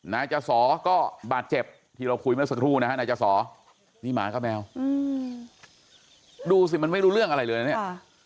นายจสอก็บาดเจ็บที่เราคุยเมื่อสักครู่นะฮะนายจสอนี่หมากับแมวดูสิมันไม่รู้เรื่องอะไรเลยนะเนี่ย